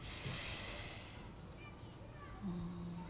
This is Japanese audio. うん。